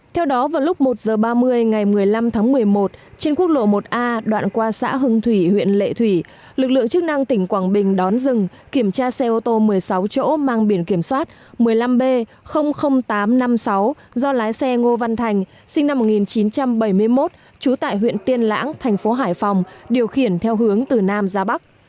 theo đó vào lúc một giờ ba mươi ngày một mươi năm tháng một mươi một trên quốc lộ một a đoạn qua xã hưng thủy huyện lệ thủy lực lượng chức năng tỉnh quảng bình đón dừng kiểm tra xe ô tô một mươi sáu chỗ mang biển kiểm soát một mươi năm b tám trăm năm mươi sáu do lái xe ngô văn thành sinh năm một nghìn chín trăm bảy mươi một trú tại huyện tiên lãng thành phố hải phòng điều khiển theo hướng từ nam ra bắc